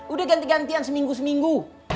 udah ganti gantian seminggu seminggu